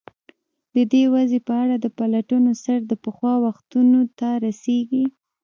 د دې وضع په اړه د پلټنو سر د پخوا وختونو ته رسېږي.